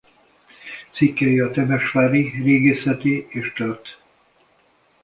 Cikkei a temesvári Régészeti és tört.